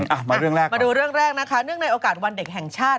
มาเรื่องแรกมาดูเรื่องแรกนะคะเนื่องในโอกาสวันเด็กแห่งชาติ